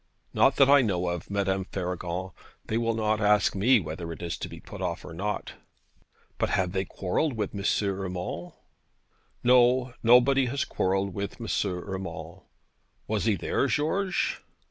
'Not that I know of, Madame Faragon: they will not ask me whether it is to be put off or not.' 'But have they quarrelled with M. Urmand?' 'No; nobody has quarrelled with M. Urmand.' 'Was he there, George?'